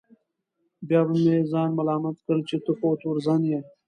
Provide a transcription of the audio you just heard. بیا به مې ځان ملامت کړ چې ته خو تورزن یې.